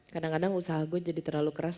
kadang kadang usaha gue jadi terlalu keras